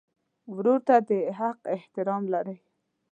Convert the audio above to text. ورور ته د حق احترام لرې.